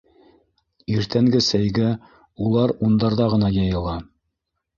...Иртәнге сәйгә улар ундарҙа ғына йыйыла.